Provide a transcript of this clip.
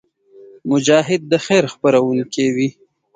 مجاهد د خیر خپرونکی وي.